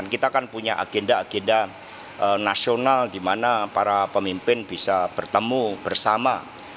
kita kan punya agenda agenda nasional di mana para pemimpin bisa bertemu bersama